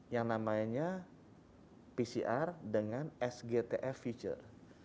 yang namanya pcr dengan sgtf feature